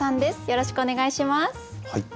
よろしくお願いします。